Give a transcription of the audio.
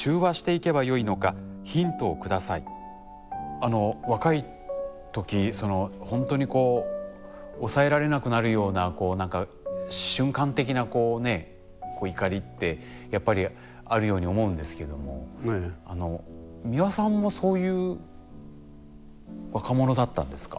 あの若い時そのほんとにこう抑えられなくなるようなこう何か瞬間的なこうねこう怒りってやっぱりあるように思うんですけども美輪さんもそういう若者だったんですか？